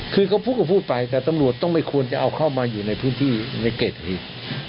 คือก็พุกก็พูดไปแต่ตัมหลวงต้องไม่ควรจะเอาเข้ามาอยู่ในพื้นที่ไม่เก็บอีก